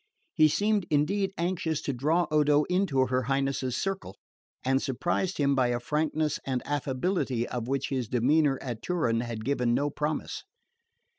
He seemed indeed anxious to draw Odo into her Highness's circle, and surprised him by a frankness and affability of which his demeanour at Turin had given no promise.